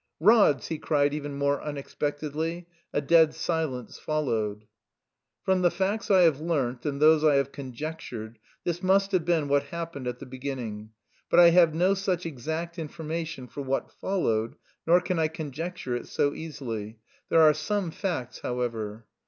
"Rods!" he cried even more unexpectedly. A dead silence followed. From the facts I have learnt and those I have conjectured, this must have been what happened at the beginning; but I have no such exact information for what followed, nor can I conjecture it so easily. There are some facts, however.